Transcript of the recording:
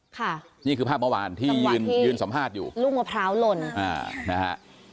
ค่ะนี่คือภาพเมื่อวานที่ยืนยืนสัมภาษณ์อยู่ลูกมะพร้าวหล่นอ่านะฮะ